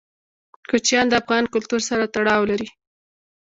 کوچیان د افغان کلتور سره تړاو لري.